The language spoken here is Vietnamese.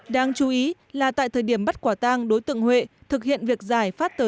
đáng chú ý là tại thời điểm bắt quả tang đối tượng huệ thực hiện việc giải phát tờ